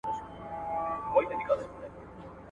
د ښځو او نارينه وو شمېرې وکتل سوې.